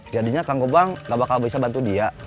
jadinya kang gubang gak bakal bisa bantu dia